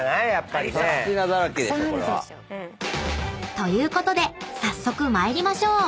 ［ということで早速参りましょう！］